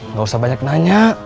nggak usah banyak nanya